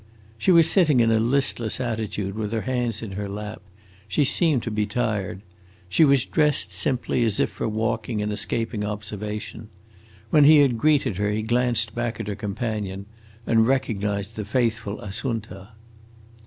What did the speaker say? She was sitting in a listless attitude, with her hands in her lap; she seemed to be tired. She was dressed simply, as if for walking and escaping observation. When he had greeted her he glanced back at her companion, and recognized the faithful Assunta.